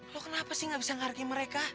lu kenapa sih gak bisa ngehargai mereka